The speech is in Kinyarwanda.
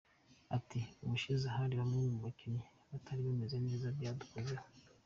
Ati:” Ubushize hari bamwe mu bakinnyi batari bameze neza byadukoze ho.